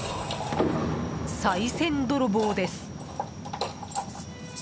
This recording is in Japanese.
さい銭泥棒です。